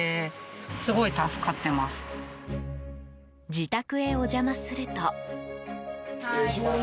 自宅へお邪魔すると。